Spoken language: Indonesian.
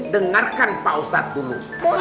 dengarkan pak ustadz dulu